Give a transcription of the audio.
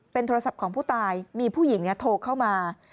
โทรศัพท์ของผู้ตายมีผู้หญิงโทรเข้ามา